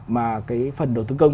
mà cái phần đầu tư công